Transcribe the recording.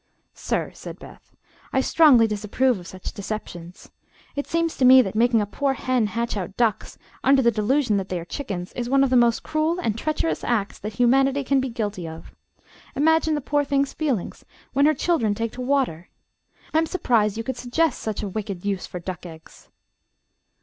"Sir," said Beth, "I strongly disapprove of such deceptions. It seems to me that making a poor hen hatch out ducks, under the delusion that they are chickens, is one of the most cruel and treacherous acts that humanity can be guilty of. Imagine the poor thing's feelings when her children take to water! I'm surprised you could suggest such a wicked use for duck eggs."